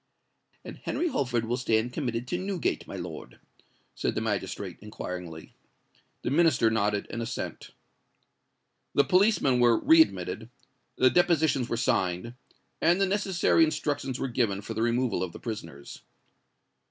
"And Henry Holford will stand committed to Newgate, my lord?" said the magistrate, inquiringly. The Minister nodded an assent. The policemen were re admitted, the depositions were signed, and the necessary instructions were given for the removal of the prisoners.